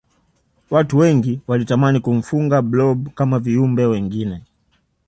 watu wengi wanatamani kumfuga blob kama viumbe wengine